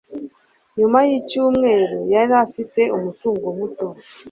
nyuma yicyumweru yari afite umutungo muto